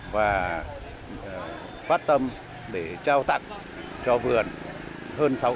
và phát tâm để trao tặng cho vườn hơn sáu trăm linh giỏ lan